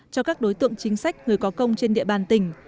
cho các đối tượng chính sách người có công trên địa bàn tỉnh